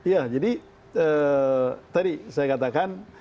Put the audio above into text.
ya jadi tadi saya katakan